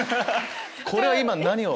これは今何を？